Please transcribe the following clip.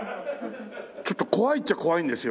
ちょっと怖いっちゃ怖いんですよ